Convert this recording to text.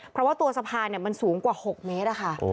เพราะว่าตัวสะพานมันสูงกว่า๖เมตรค่ะ